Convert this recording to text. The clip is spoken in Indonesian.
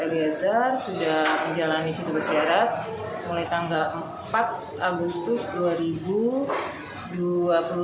eliazar sudah menjalani cuti bersyarat mulai tanggal empat agustus